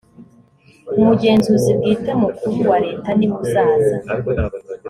umugenzuzi bwite mukuru wa leta niwe uzaza.